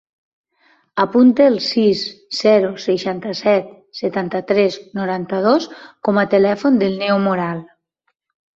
Apunta el sis, zero, seixanta-set, setanta-tres, noranta-dos com a telèfon del Neo Moral.